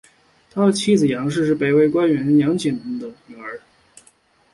他的妻子杨氏是北魏官员杨俭的女儿。